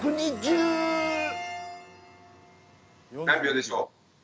何秒でしょう？